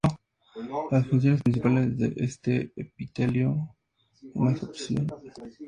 Las funciones principales de este epitelio son la absorción y la secreción.